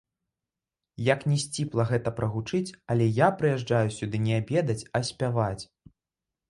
Як ні сціпла гэта прагучыць, але я прыязджаю сюды не абедаць, а спяваць.